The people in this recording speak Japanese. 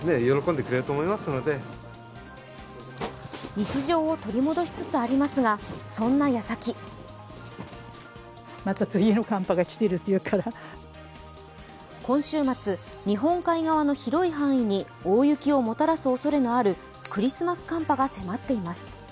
日常を取り戻しつつありますが、そんな矢先今週末、日本海側の広い範囲に大雪をもたらすおそれのあるクリスマス寒波が迫っています。